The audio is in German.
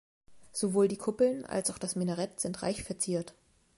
Sowohl die Kuppeln als auch das Minarett sind reich verziert.